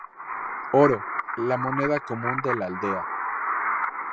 Oro: La moneda común de la aldea.